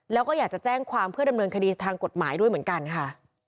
แล้วก็อยากจะแจ้งความเพื่อดำเนินคดีทางกฎหมายด้วยเหมือนกันค่ะ